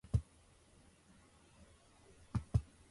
サンタクロース